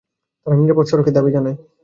তারা নিরাপদ সড়কের দাবি জানায়।